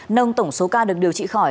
nông tổng số ca được điều trị khỏi